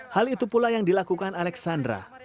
hal itu pula yang dilakukan alexandra